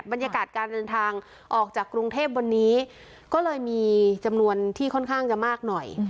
บรรยากาศการเดินทางออกจากกรุงเทพวันนี้ก็เลยมีจำนวนที่ค่อนข้างจะมากหน่อย